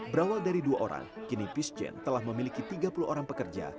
berawal dari dua orang kini peacegen telah memiliki tiga puluh orang pekerja